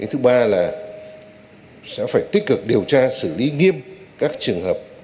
thứ ba là sẽ phải tích cực điều tra xử lý nghiêm các trường hợp